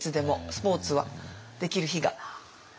スポーツはできる日が。